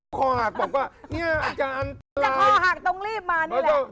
คอหักตรงรีบมานี่แหละ